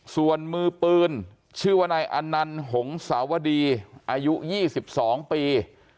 ส่วนมือปืนชื่อว่านายอันนันหงษาวดีอายุยี่สิบสองปี